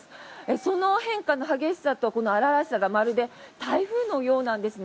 その変化の激しさと荒々しさがまるで台風のようなんですね。